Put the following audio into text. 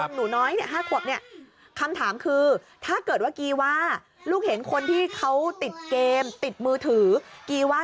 หนูจะบอกเขาว่ายังไงลูกอากีว่า